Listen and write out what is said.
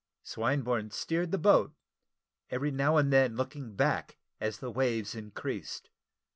Swinburne steered the boat, every now and then looking back as the waves increased.